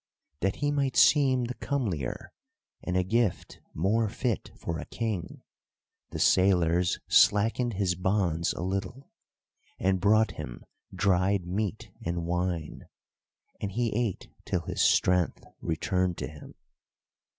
That he might seem the comelier, and a gift more fit for a king, the sailors slackened his bonds a little, and brought him dried meat and wine, and he ate till his strength returned to him.